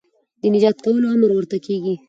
د نجات کولو امر ورته کېږي